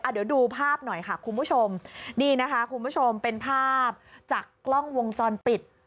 เดี๋ยวดูภาพหน่อยค่ะคุณผู้ชมนี่นะคะคุณผู้ชมเป็นภาพจากกล้องวงจรปิด